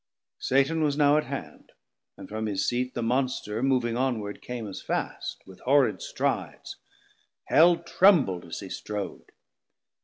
Satan was now at hand, and from his seat The Monster moving onward came as fast, With horrid strides, Hell trembled as he strode.